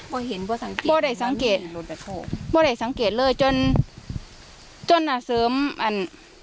บ่เห็นบ่สังเกตบ่ได้สังเกตบ่ได้สังเกตเลยจนจนอ่ะเสริมอัน